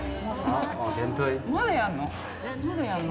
まだやるの？